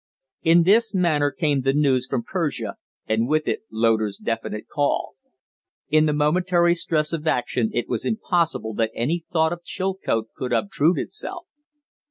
In this manner came the news from Persia, and with it Loder's definite call. In the momentary stress of action it was impossible that any thought of Chilcote could obtrude itself.